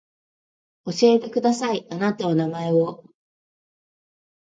教えてくださいあなたの名前を